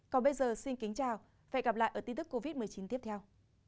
còn bây giờ xin kính chào và hẹn gặp lại ở tin tức covid một mươi chín tiếp theo